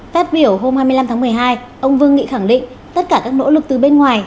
phát biểu hôm hai mươi năm tháng một mươi hai ông vương nghị khẳng định tất cả các nỗ lực từ bên ngoài